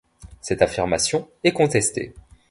Cette affirmation est contestée.